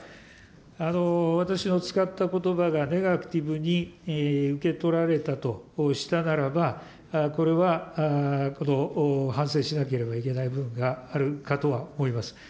私の使ったことばがネガティブに受け取られたとしたならば、これは反省しなければいけない部分があるかとは思います。